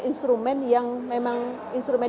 instrumen yang memang instrumen